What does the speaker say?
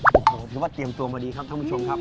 โหคิดว่าเตรียมตัวมาดีครับทุกคุณผู้ชมครับ